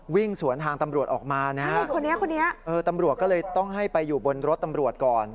วิ่งสวนทางตำรวจออกมาตำรวจก็เลยต้องให้ไปอยู่บนรถตำรวจก่อน